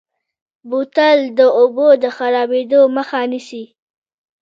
بوتل د اوبو د خرابېدو مخه نیسي.